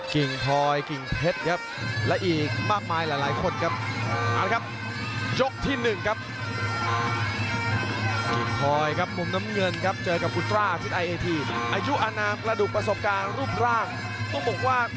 กิ่งพลอยกิ่งเทชครับ